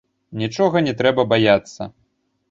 Нічога не трэба баяцца.